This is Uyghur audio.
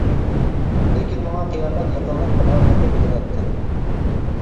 لېكىن ماڭا قىيامەت يېقىنلاپ قالغاندەكلا بىلىنەتتى.